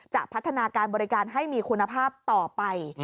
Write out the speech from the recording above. จะพัฒนาการบริการให้มีคุณภาพต่อไป